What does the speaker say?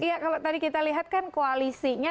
iya kalau tadi kita lihat kan koalisinya